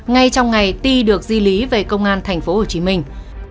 ngay trong ngày ti được di lý về công an thành phố hồ chí minh